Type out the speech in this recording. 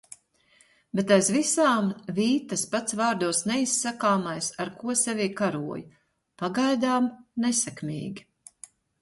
Bet aiz visām vīd tas pats vārdos neizsakāmais, ar ko sevī karoju. Pagaidām nesekmīgi.